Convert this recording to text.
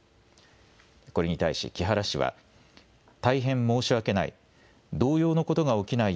これに対し木原氏は大変申し訳ない。